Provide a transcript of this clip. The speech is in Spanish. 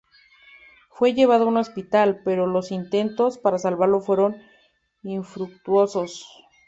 Fue llevado a un hospital, pero los intentos para salvarlo fueron infructuosos.